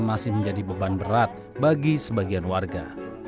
masih menjadi beban berat bagi sebagian warga